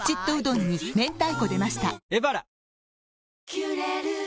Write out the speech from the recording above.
「キュレル」